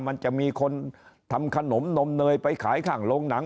มันจะมีคนทำขนมนมเนยไปขายข้างโรงหนัง